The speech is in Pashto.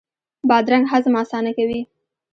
بادرنګ هضم اسانه کوي.